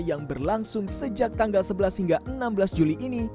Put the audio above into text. yang berlangsung sejak tanggal sebelas hingga enam belas juli ini